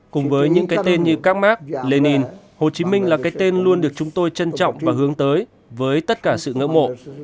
cùng với những cái tên như các mark lenin hồ chí minh là cái tên luôn được chúng tôi trân trọng và hướng tới với tất cả sự ngỡ mộ